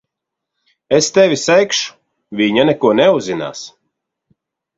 Es tevi segšu. Viņa neko neuzzinās.